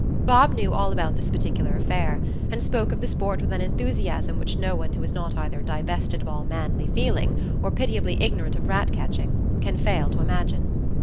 Bob knew all about this particular affair, and spoke of the sport with an enthusiasm which no one who is not either divested of all manly feeling, or pitiably ignorant of rat catching, can fail to imagine.